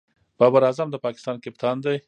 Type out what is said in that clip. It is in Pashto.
بابر اعظم د پاکستان کپتان دئ.